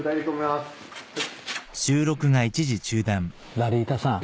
ラリータさん。